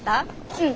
うん。